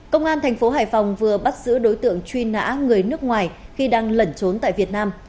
công an thành phố hải phòng vừa bắt giữ đối tượng truy nã người nước ngoài khi đang lẩn trốn tại việt nam